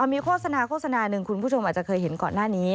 มีโฆษณาโฆษณาหนึ่งคุณผู้ชมอาจจะเคยเห็นก่อนหน้านี้